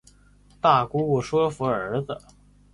大姑姑说服儿子